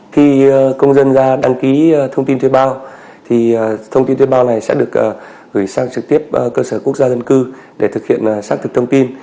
khi công dân ra đăng ký thông tin thuê bao thì thông tin thuê bao này sẽ được gửi sang trực tiếp cơ sở quốc gia dân cư để thực hiện xác thực thông tin